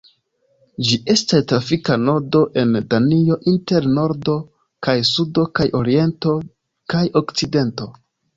Ĝi estas trafika nodo en Danio inter nordo kaj sudo kaj oriento kaj okcidento.